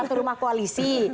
di satu rumah koalisi